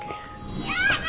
やだ！